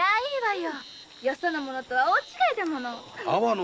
よその物とは大違いだもの。